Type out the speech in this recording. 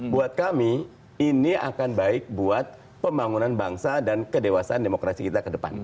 buat kami ini akan baik buat pembangunan bangsa dan kedewasaan demokrasi kita ke depan